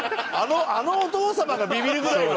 あのお父様がビビるぐらいの。